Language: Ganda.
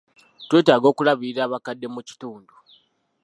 Twetaaga okulabirira abakadde mu kitundu.